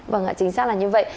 vâng ạ chính xác là như vậy